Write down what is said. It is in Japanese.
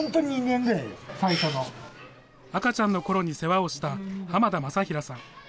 赤ちゃんのころに世話をした、濱田昌平さん。